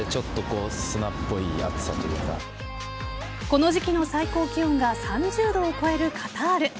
この時期の最高気温が３０度を超えるカタール。